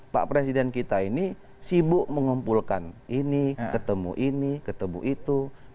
pak presiden kita ini sibuk mengumpulkan ini ketemu ini ketemu itu